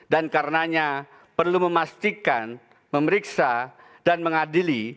dan karenanya perlu memastikan memeriksa dan mengadili